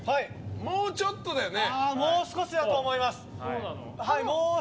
もうちょっとだよね？